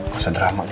masa drama gitu